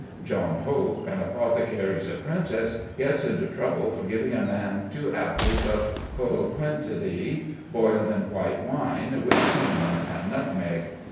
John Hope, an apothecary's apprentice, gets into trouble for giving a man two apples of coloquintida boiled in white wine, with cinnamon and nutmeg.